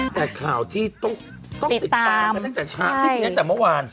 แต่ข่าวที่ต้องติดตามตั้งแต่เมื่อวาน